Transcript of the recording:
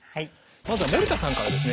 まずは森田さんからですね